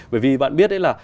bởi vì bạn biết đấy là